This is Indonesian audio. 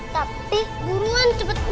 ya aku mau makan